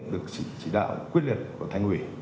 được chỉ đạo quyết liệt của thành quỷ